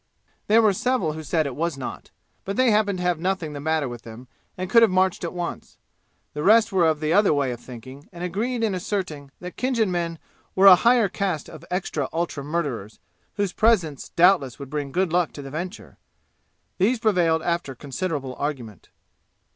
There were several who said it was not, but they happened to have nothing the matter with them and could have marched at once. The rest were of the other way of thinking and agreed in asserting that Khinjan men were a higher caste of extra ultra murderers whose presence doubtless would bring good luck to the venture. These prevailed after considerable argument.